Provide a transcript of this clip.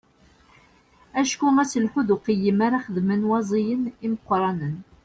Acku aselḥu d uqeyyem ara xedmen waẓiyen imeqqranen.